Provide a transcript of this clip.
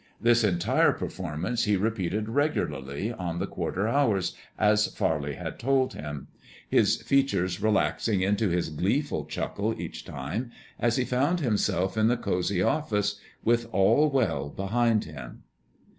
This entire performance he repeated regularly on the quarter hours, as Farley had told him; his features relaxing into his gleeful chuckle each time, as he found himself in the cosy office, with all well behind him.